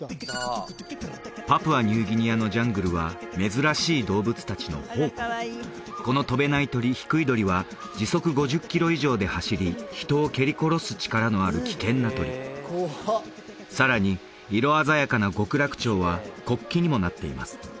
パプアニューギニアのジャングルは珍しい動物達の宝庫この飛べない鳥ヒクイドリは時速５０キロ以上で走り人を蹴り殺す力のある危険な鳥さらに色鮮やかな極楽鳥は国旗にもなっています